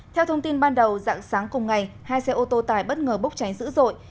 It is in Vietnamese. theo thông tin ban đầu dạng sáng cùng ngày hai xe ô tô tải bất ngờ bốc cháy dữ dội